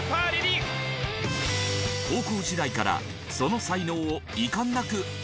高校時代からその才能を遺憾なく発揮していた！